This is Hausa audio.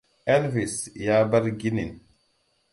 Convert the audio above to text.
Elvis ya bar ginin.